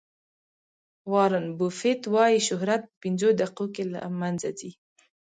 وارن بوفیټ وایي شهرت په پنځه دقیقو کې له منځه ځي.